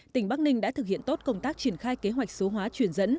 tỉnh bắc ninh đã thực hiện tốt công tác triển khai kế hoạch số hóa truyền dẫn